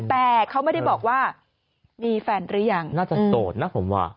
แต่เขาไม่ได้บอกว่ามีแฟนหรือยังน่าจะโสดนะผมว่า